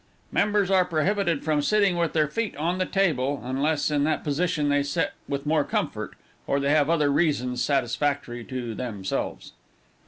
Members are prohibited from sitting with their feet on the table, unless in that position they sit with more comfort, or they have other reasons satisfactory to themselves.